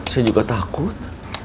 saya juga takut